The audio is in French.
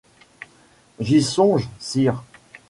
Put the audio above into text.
J’y songe, sire.